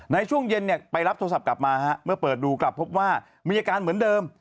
ในช่วงเย็นไปรับโทรศัพท์กลับมาเมื่อเปิดดูกลับพบว่ามีอาการเหมือนเดิม